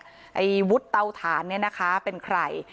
ไอ้วุฒิเตาถ่านเนี่ยนะคะเป็นใคร